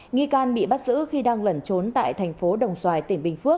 nghi can bị bắt giữ khi đang lẩn trốn tại thành phố đồng xoài tỉnh bình phước